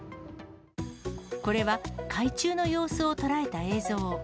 これは海中の様子を捉えた映像。